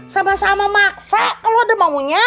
sama sama maksa kalau ada maunya